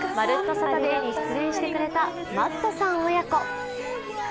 サタデー」に出演してくれたマットさん親子。